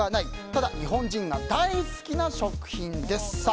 ただ、日本人が大好きな食品です。